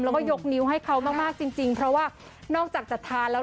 แล้วก็ยกนิ้วให้เขามากจริงเพราะว่านอกจากจะทานแล้ว